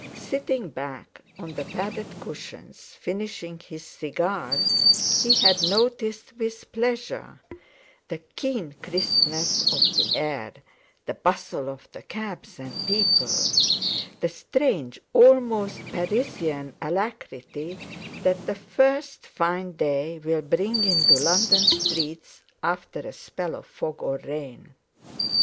Sitting back on the padded cushions, finishing his cigar, he had noticed with pleasure the keen crispness of the air, the bustle of the cabs and people; the strange, almost Parisian, alacrity that the first fine day will bring into London streets after a spell of fog or rain.